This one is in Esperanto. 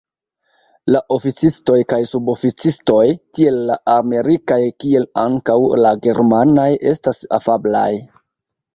La oficistoj kaj suboficistoj, tiel la amerikaj kiel ankaŭ la germanaj, estas afablaj.